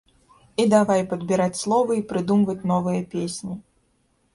І давай падбіраць словы і прыдумваць новыя песні.